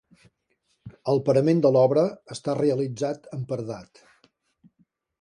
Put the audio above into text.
El parament de l'obra està realitzat amb paredat.